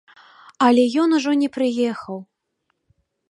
Але ён ужо не прыехаў.